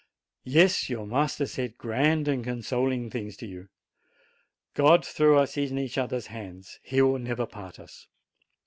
Yes, your master said grand and consoling things to you. God threw us in each other's arms; he will never part us.